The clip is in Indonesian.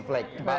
tapi memang benar